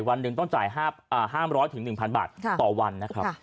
วันหนึ่งต้องจ่ายห้ามร้อยถึง๑๐๐๐บาทต่อวันนะครับ